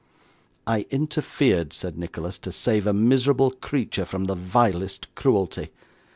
'I interfered,' said Nicholas, 'to save a miserable creature from the vilest cruelty.